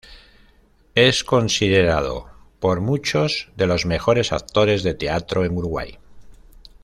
Es considerado por muchos de los mejores actores de teatro en Uruguay.